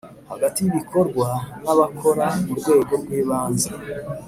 hagati y ibikorwa n abakora mu rwego rw ibanze